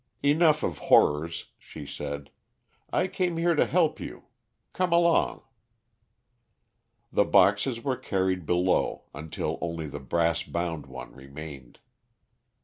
"Enough of horrors," she said. "I came here to help you. Come along." The boxes were carried below until only the brass bound one remained.